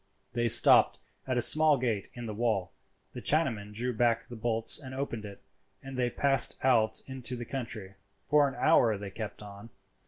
They stopped at a small gate in the wall, the Chinaman drew back the bolts and opened it, and they passed out into the country. For an hour they kept on.